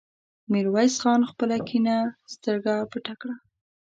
ميرويس خان خپله کيڼه سترګه پټه کړه.